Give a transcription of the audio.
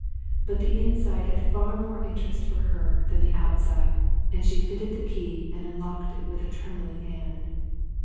But the inside had far more interest for her than the outside, and she fitted the key and unlocked it with a trembling hand.